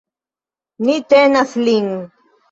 Ni tenas lin!